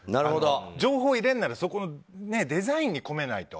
情報を入れるならデザインに込めないと。